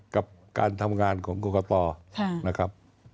กับการทำงานของกรกตนะครับ